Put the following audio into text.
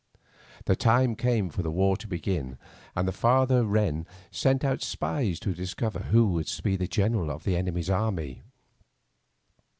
The time came for the war to begin, and the father wren sent out spies to discover who was to be the general of the enemy's army.